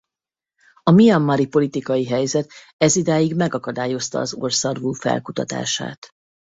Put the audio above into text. A mianmari politikai helyzet ezidáig megakadályozta az orrszarvú felkutatását.